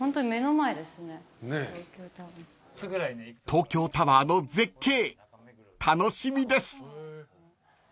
［東京タワーの絶景楽しみです］